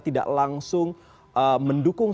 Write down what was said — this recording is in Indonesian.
tidak langsung mendukung